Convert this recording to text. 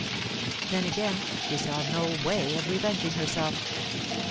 Then, again, she saw no way of revenging herself.